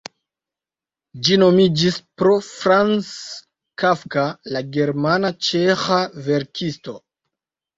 Ĝi nomiĝis pro Franz Kafka, la germana-ĉeĥa verkisto.